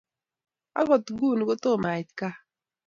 Agok nguni kotom ait kaa.